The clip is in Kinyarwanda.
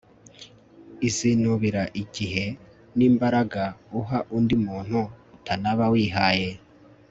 uzinubira igihe n'imbaraga uha undi muntu utanaba wihaye